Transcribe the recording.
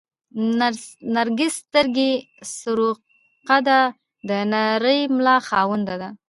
نرګس سترګې، سروه قده، د نرۍ ملا خاونده ده